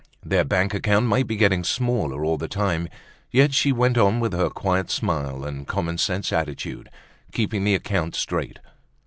Their bank account might be getting smaller all the time, yet she went on with her quiet smile and common sense attitude, keeping the account straight.